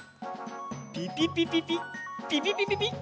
ピピピピピッピピピピピッ。